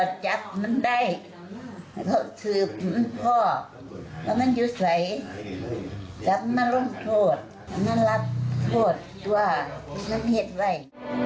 แล้วมันเผ็ดไว้